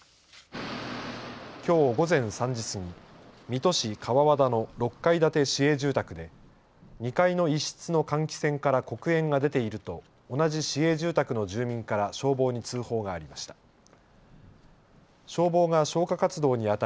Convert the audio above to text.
きょう午前３時過ぎ水戸市河和田の６階建て市営住宅で２階の一室の換気扇から黒煙が出ていると同じ市営住宅の住民から消防に通報がありました。